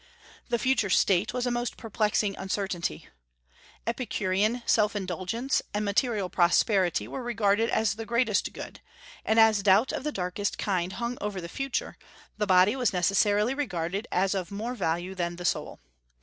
The future state was a most perplexing uncertainty. Epicurean self indulgence and material prosperity were regarded as the greatest good; and as doubt of the darkest kind hung over the future, the body was necessarily regarded as of more value than the soul.